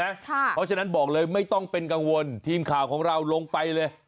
เพราะฉะนั้นบอกเลยไม่ต้องเป็นกังวลทีมข่าวของเราลงไปเลย